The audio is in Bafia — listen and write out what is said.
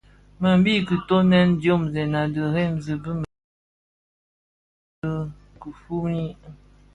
Më bi kitoňèn diomzèn di rèm bi mëyëna mëkpa dhi kifuni.